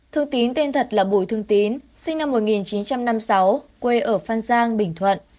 thương tín tên thật là bùi thương tín sinh năm một nghìn chín trăm năm mươi sáu quê ở phan giang bình thuận